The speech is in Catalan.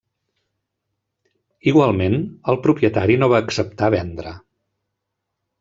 Igualment, el propietari no va acceptar vendre.